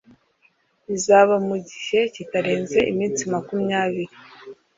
bizaba mu gihe kitarenze iminsi makumyabiri